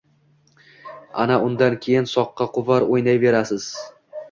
Ana undan keyin «soqqa quvar» o‘ynayverasiz.